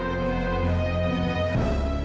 aku ingin memimpinnya